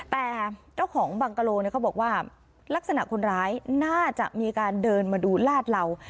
แต่เจ้าของบังกะโลเขาบอกว่าลักษณะคนร้ายน่าจะมีการเดินมาดูลาดเหล่า